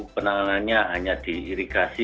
penanganannya hanya diirigasi